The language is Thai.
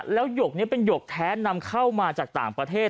แล้วหยกนี้เป็นหยกแท้นำเข้ามาจากต่างประเทศ